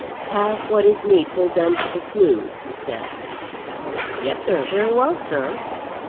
"Have what is needful done to the flue," he said. "Yes, sir; very well, sir.